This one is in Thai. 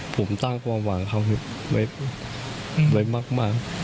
ผมตั้งความหวังเขาไว้มาก